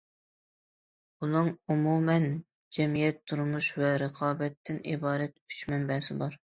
ئۇنىڭ ئومۇمەن جەمئىيەت، تۇرمۇش ۋە رىقابەتتىن ئىبارەت ئۈچ مەنبەسى بار.